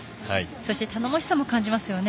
そして頼もしさも感じますよね。